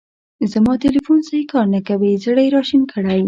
زما تیلیفون سیی کار نه کوی. زړه یې را شین کړی.